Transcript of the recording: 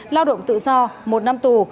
lao động tự do một năm tù